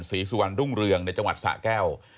ศรีสุวรรณรุ่งเรืองในจังหวัดสะแก้ว